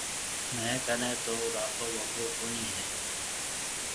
ميه ڪنَي تو راتو وگو ڪونَي هيَ۔